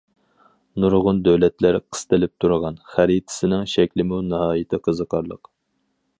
نۇرغۇن دۆلەتلەر قىستىلىپ تۇرغان، خەرىتىسىنىڭ شەكلىمۇ ناھايىتى قىزىقارلىق.